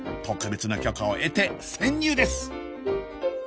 特別な許可を得て潜入です！